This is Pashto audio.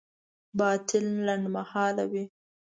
باطل لنډمهاله وي.